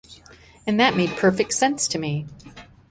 And that made perfect sense to me.